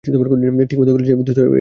ঠিকমতো খেলছিলি, দোস্ত এটা মিস করলি কেন?